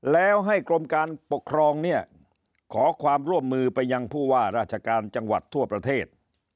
แล้วให้กรมการปกครองเนี่ยขอความร่วมมือไปยังผู้ว่าราชการจังหวัดทั่วประเทศ